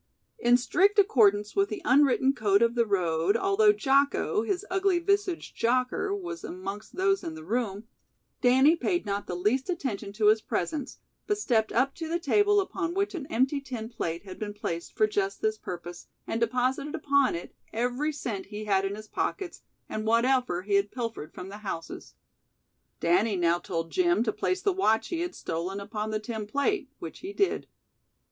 In strict accordance with the unwritten code of the road although Jocko, his ugly visaged jocker, was amongst those in the room, Danny paid not the least attention to his presence, but stepped up to the table upon which an empty tin plate had been placed for just this purpose, and deposited upon it every cent he had in his pockets and whatever he had pilfered from the houses. Danny now told Jim to place the watch he had stolen upon the tin plate, which he did.